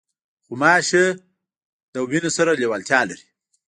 غوماشې د وینې سره لیوالتیا لري.